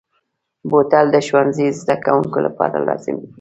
بوتل د ښوونځي زده کوونکو لپاره لازمي دی.